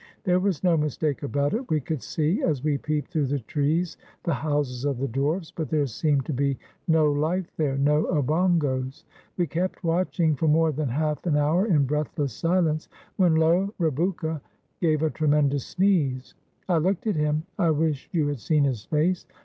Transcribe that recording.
There was no mistake about it; we could see, as we peeped through the trees, the houses of the dwarfs, but there seemed to be no life there, no Obongos. We kept watching for more than half an hour in breathless silence, when lo ! Rebouka gave a tremendous sneeze. I looked at him. I wish you had seen his face.